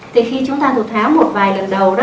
thì khi chúng ta được tháo một vài lần đầu đó